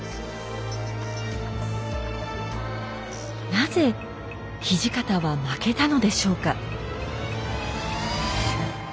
なぜ土方は負けたのでしょうか？